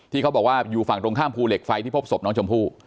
เขาบอกว่าอยู่ฝั่งตรงข้ามภูเหล็กไฟที่พบศพน้องชมพู่